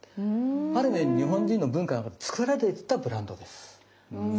ある面日本人の文化が作られてたブランドです。